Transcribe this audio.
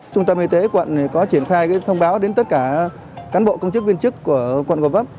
trung tâm y tế quận có triển khai thông báo đến tất cả cán bộ công chức viên chức của quận gò vấp